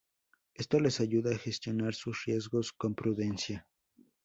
Esto les ayuda a gestionar sus riesgos con prudencia.